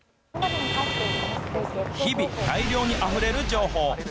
日々、大量にあふれる情報。